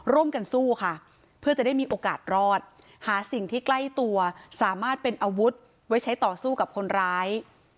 ร่วมกันสู้ค่ะเพื่อจะได้มีโอกาสรอดหาสิ่งที่ใกล้ตัวสามารถเป็นอาวุธไว้ใช้ต่อสู้กับคนร้าย